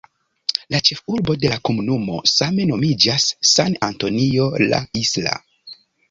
La ĉefurbo de la komunumo same nomiĝas "San Antonio la Isla".